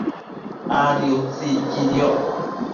Adi utsi iquidioc